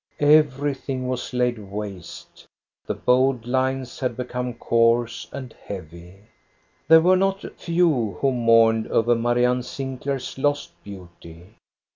Everything was laid waste. The bold lines had become coarse and heavy. They were not few who mourned over Marianne Sinclair's lost beauty.